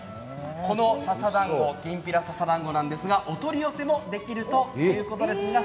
このきんぴら笹だんごなんですが、お取り寄せもできるということです。